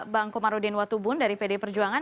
bang komarudin watubun dari pdi perjuangan